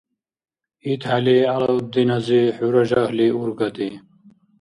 ИтхӀели, ГӀялаудин-ази, хӀура жагьли ургади?